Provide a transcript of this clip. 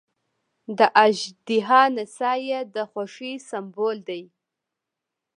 د اژدها نڅا یې د خوښۍ سمبول دی.